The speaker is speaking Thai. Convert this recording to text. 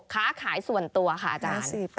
๗๙๗๕๔๘๖ค้าขายส่วนตัวค่ะอาจารย์